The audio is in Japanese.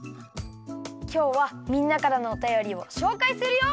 きょうはみんなからのおたよりをしょうかいするよ！